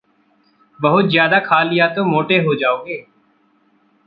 बहुत ज़्यादा खा लिया तो मोटे हो जाओगे।